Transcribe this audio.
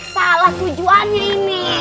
salah tujuannya ini